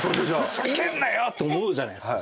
ふざけんなよと思うじゃないすか。